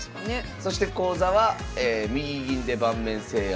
そして講座は「右銀で盤面制圧」。